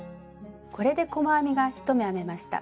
これで細編みが１目編めました。